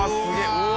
うわ！